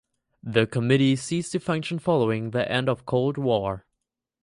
The committee ceased to function following the end of Cold War.